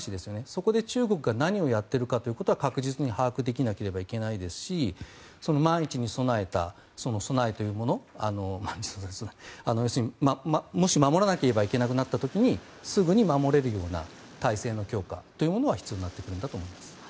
そこで中国が何をやっているかということは確実に把握できなければいけないですし万一に備えた備えというもの要するに、もし守らなければいけなくなった時にすぐに守れるような体制の強化というのは必要になってくると思います。